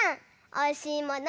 おいしいもの